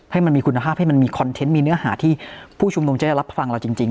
ให้มันมีคุณภาพให้มันมีคอนเทนต์มีเนื้อหาที่ผู้ชุมนุมจะได้รับฟังเราจริง